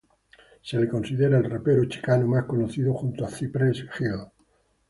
Se le considera el rapero chicano más conocido junto a Cypress Hill.